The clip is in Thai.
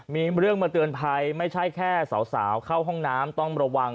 มีเรื่องมาเตือนภัยไม่ใช่แค่สาวเข้าห้องน้ำต้องระวัง